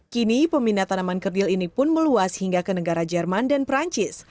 kini peminat tanaman kerdil ini pun meluas hingga ke negara jerman dan perancis